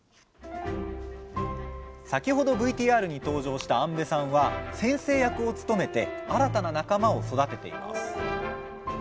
先ほどＶＴＲに登場した安部さんは先生役を務めて新たな仲間を育てています。